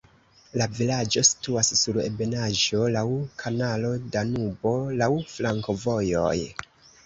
La vilaĝo situas sur ebenaĵo, laŭ kanalo Danubo, laŭ flankovojoj.